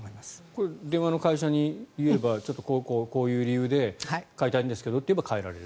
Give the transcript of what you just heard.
これ、電話の会社にいえばこうこうこういう理由で変えたいんですけどと言えば変えられる？